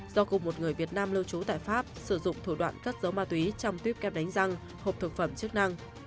do cùng một người việt nam lưu trú tại pháp sử dụng thủ đoạn cắt dấu ma túy trong tuyếp kem đánh răng hộp thực phẩm chức năng